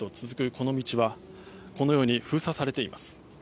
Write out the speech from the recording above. この道はこのように封鎖されています。